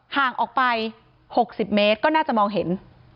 ห่างออกไป๖๐เมตรก็น่าจะมองเห็น